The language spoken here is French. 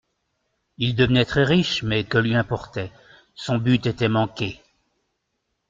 Il devenait très riche, mais que lui importait ? son but était manqué.